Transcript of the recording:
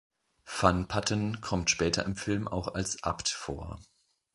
Van Patten kommt später im Film auch als Abt vor.